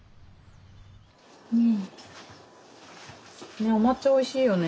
ねお抹茶おいしいよね。